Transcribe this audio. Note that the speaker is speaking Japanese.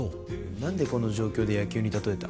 なんでこの状況で野球に例えた？